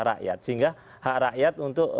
rakyat sehingga hak rakyat untuk